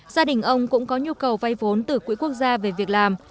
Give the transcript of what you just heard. gia đình ông cũng có nhu cầu vay vốn từ quỹ quốc gia về việc làm